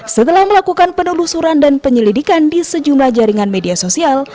setelah melakukan penelusuran dan penyelidikan di sejumlah jaringan media sosial